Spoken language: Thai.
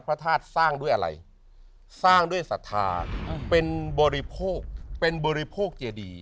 พระธาตุสร้างด้วยอะไรสร้างด้วยศรัทธาเป็นบริโภคเป็นบริโภคเจดี